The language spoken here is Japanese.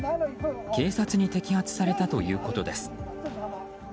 警察に摘発されたということです。